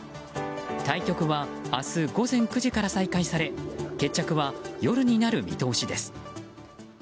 対局は明日午前９時から再開され決着は夜になる見通しです。